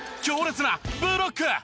強烈なブロック！